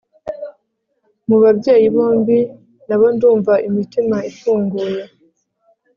Mubabyeyi bombi nabo ndumva imitima ifunguye